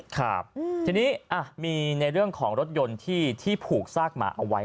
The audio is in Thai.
ครับทีนี้มีในเรื่องของรถยนต์ที่ผูกซากหมาเอาไว้